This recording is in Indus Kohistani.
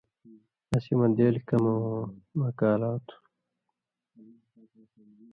اسی مہ دیل کمہۡ وؤں مہ کالا تھُو۔